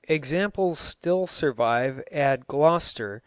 Examples still survive at Gloucester.